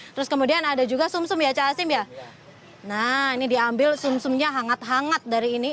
terus kemudian ada juga sum sum ya cak hasim ya nah ini diambil sum sumnya hangat hangat dari ini